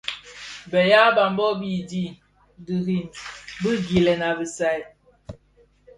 Bë ya mbam bō dhi di diomzèn dirim bi gilèn i bisai.